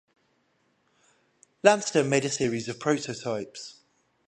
Lanston made a series of prototypes.